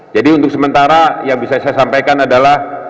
jadi untuk sementara yang bisa saya sampaikan adalah